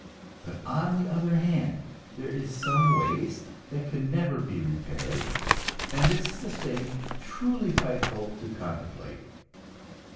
But, on the other hand, there is some waste that can never be repaired, and this is the thing truly frightful to contemplate.